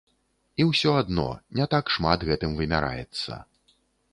І ўсё адно, не так шмат гэтым вымяраецца.